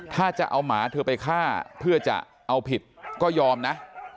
ถ้าจะเอาหมาเธอไปฆ่าเพื่อจะเอาผิดก็ยอมนะ